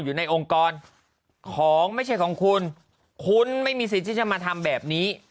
อยู่ในองค์กรของไม่ใช่ของคุณคุณไม่มีสิทธิ์ที่จะมาทำแบบนี้